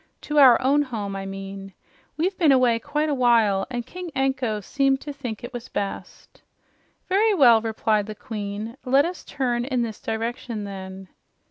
"To our own home, I mean. We've been away quite a while, and King Anko seemed to think it was best." "Very well," replied the Queen. "Let us turn in this direction, then."